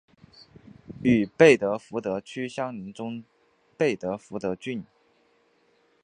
与贝德福德区相邻的中贝德福德郡。